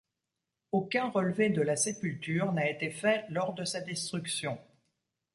Aucun relevé de la sépulture n’a été fait lors de sa destruction.